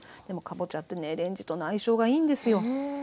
でもかぼちゃってねレンジとの相性がいいんですよ。